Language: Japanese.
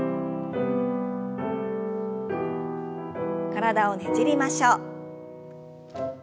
体をねじりましょう。